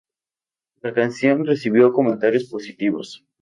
La canción recibió comentarios positivos.